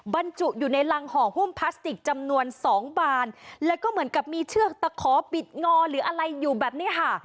บรรจุอยู่ในรังห่อหุ้มพลาสติกจำนวนสองบานแล้วก็เหมือนกับมีเชือกตะขอปิดงอหรืออะไรอยู่แบบนี้ค่ะ